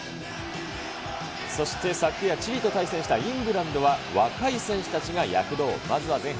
そして昨夜、チリと対戦したイングランドは、若い選手たちが躍動。